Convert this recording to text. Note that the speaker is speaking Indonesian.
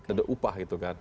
ada upah gitu kan